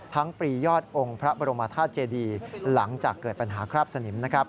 ปรียอดองค์พระบรมธาตุเจดีหลังจากเกิดปัญหาคราบสนิม